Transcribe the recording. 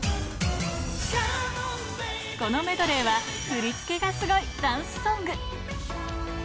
このメドレーは、振り付けがすごいダンスソング。